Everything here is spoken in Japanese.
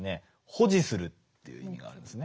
保持するという意味があるんですね。